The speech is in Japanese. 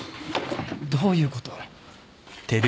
どういうこと？